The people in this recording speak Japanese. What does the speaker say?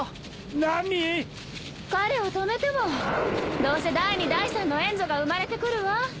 何⁉彼を止めてもどうせ第２第３のエンゾが生まれて来るわ。